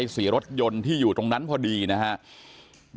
สีรถยนต์ที่อยู่ตรงนั้นพอดีนะครับ